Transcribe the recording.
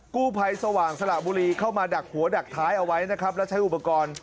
กู้ภัยสว่างสละบุรีเข้ามาดักหัวดักท้ายเอาไว้นะครับแล้วใช้อุปกรณ์